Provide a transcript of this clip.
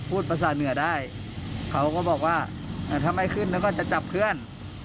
พูดภาษาเหนือได้เขาก็บอกว่าถ้าไม่ขึ้นแล้วก็จะจับเพื่อน